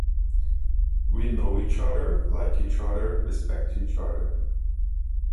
We know each other, like each other, respect each other.